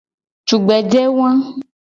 Tugbeje wa.